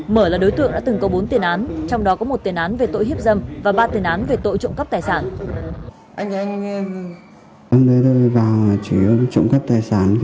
mở là đối tượng đã từng có bốn tiền án trong đó có một tiền án về tội hiếp dâm và ba tiền án về tội trộm cắp tài sản